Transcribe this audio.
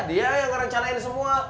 dia yang ngerencanain semua